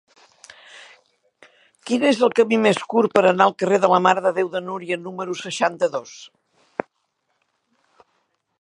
Quin és el camí més curt per anar al carrer de la Mare de Déu de Núria número seixanta-dos?